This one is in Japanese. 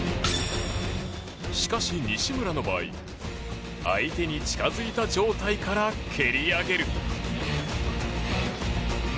しかし、西村の場合相手に近付いた状態から蹴り上げる。